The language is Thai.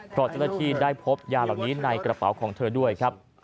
เพราะเจ้าหน้าที่ได้พบยาเหล่านี้ในกระเป๋าของเธอด้วยครับ